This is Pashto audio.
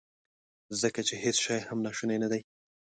ځکه چې هیڅ شی هم ناشونی ندی.